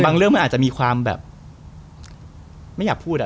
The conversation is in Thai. เรื่องมันอาจจะมีความแบบไม่อยากพูด